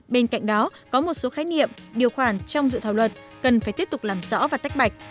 bên cạnh đó có một số khái niệm điều khoản trong dự thảo luật cần phải tiếp tục làm rõ và tách bạch